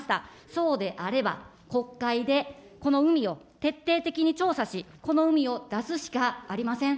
そうであれば、国会でこのうみを徹底的に調査し、このうみを出すしかありません。